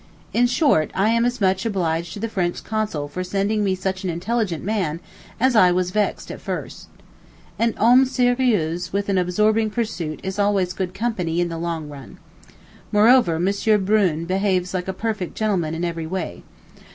In short, I am as much obliged to the French Consul for sending me such an intelligent man as I was vexed at first. An homme sérieux with an absorbing pursuit is always good company in the long run. Moreover M. Brune behaves like a perfect gentleman in every way.